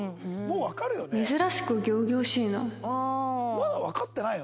まだわかってないの？